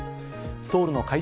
ソウルの会場